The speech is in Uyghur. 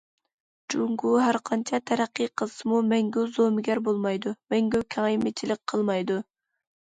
جۇڭگو ھەرقانچە تەرەققىي قىلسىمۇ، مەڭگۈ زومىگەر بولمايدۇ، مەڭگۈ كېڭەيمىچىلىك قىلمايدۇ.